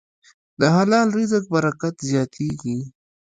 د حلال رزق برکت زیاتېږي.